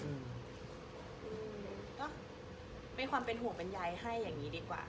อืมก็มีความเป็นห่วงเป็นใยให้อย่างนี้ดีกว่า